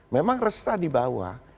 memang resah di bawah